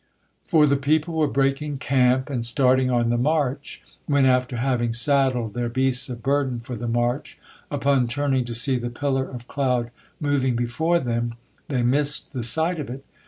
For the people were breaking camp and starting on the march when, after having saddled their beasts of burden for the march, upon turning to see the pillar of cloud moving before them, they missed the sight of it.